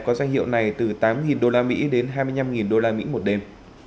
có danh hiệu này từ tám usd đến hai mươi năm usd một đêm